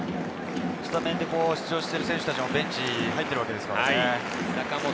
スタメンで出場する選手もベンチに入っているわけですからね。